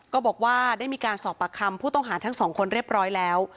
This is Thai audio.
ก็บอกว่าได้มีการสอบปากคำผู้ต้องหาทั้งสองคนเรียบร้อยแล้ว